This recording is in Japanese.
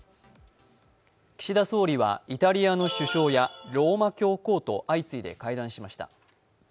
岸田総理はイタリアの首相やローマ教皇と相次いで会談しました。